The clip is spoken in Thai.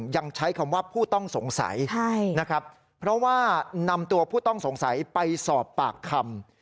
ยังใช้คำว่าผู้ต้องสงสัยนะครับเพราะว่านำตัวผู้ต้องสงสัยไปสอบปากคำ